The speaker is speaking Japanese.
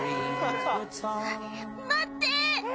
「待って！」